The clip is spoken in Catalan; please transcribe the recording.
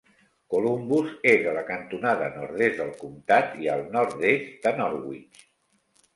Columbus és a la cantonada nord-est del comtat i al nord-est de Norwich.